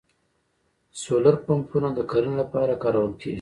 سولر پمپونه د کرنې لپاره کارول کیږي